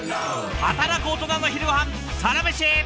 働くオトナの昼ごはんサラメシ！